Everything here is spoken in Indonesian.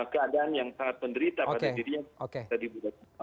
keadaan yang sangat menderita pada dirinya